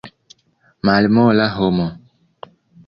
Malmola homo.